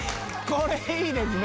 これいいですね！